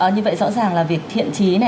như vậy rõ ràng là việc thiện trí